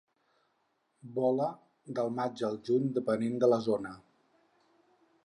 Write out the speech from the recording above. Vola del maig al juny depenent de la zona.